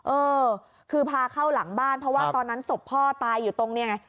เออคือพาเข้าหลังบ้านเพราะว่าตอนนั้นศพพ่อตายอยู่ตรงนี้ไง